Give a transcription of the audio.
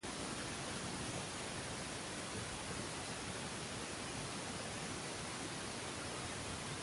El fruto es una cápsula globosa a oblonga.